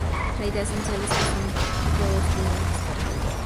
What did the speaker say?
La idea esencial es que son todos líneas de espera.